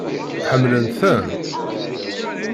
Ḥemmlent-tent?